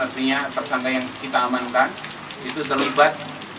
artinya tersangka yang kita amankan itu terlibat